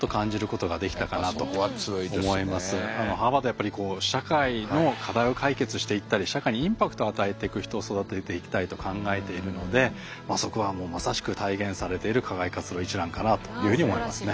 やっぱりこう社会の課題を解決していったり社会にインパクトを与えていく人を育てていきたいと考えているのでそこはもうまさしく体現されている課外活動一覧かなというふうに思いますね。